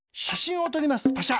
パシャ。